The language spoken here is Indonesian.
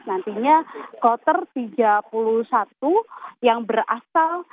nantinya kloter tiga puluh satu yang berasal